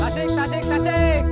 tasik tasik tasik